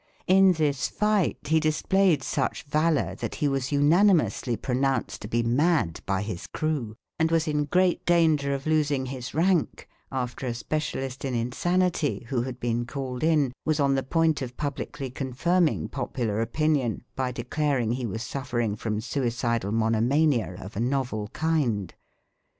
In this fight he displayed such valour that he was unanimously pronounced to be mad by his crew, and was in great danger of losing his rank after a specialist in insanity, who had been called in, was on the point of publicly confirming popular opinion by declaring he was suffering from suicidal mono mania of a novel kind.